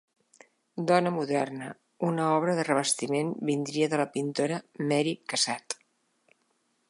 "Dona moderna", una obra de revestiment, vindria de la pintora Mary Cassatt.